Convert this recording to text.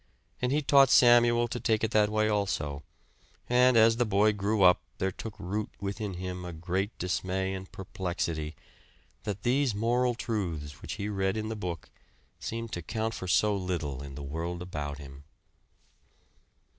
And he taught Samuel to take it that way also; and as the boy grew up there took root within him a great dismay and perplexity, that these moral truths which he read in the Book seemed to count for so little in the world about him.